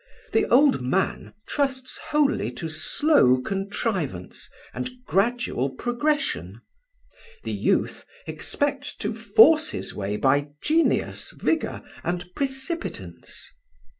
The old man trusts wholly to slow contrivance and gradual progression; the youth expects to force his way by genius, vigour, and precipitance.